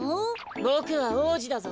ボクは王子だぞ。